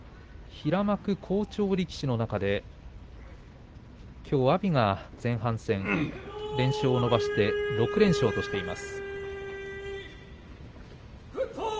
平幕好調力士の中できょうは阿炎が前半戦連勝を伸ばして６連勝としています。